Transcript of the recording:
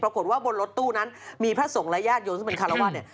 ปรากฏว่าบนรถตู้นั้นมีพระสงฆ์และญาติโยมซึ่งเป็นคารวาสเนี่ย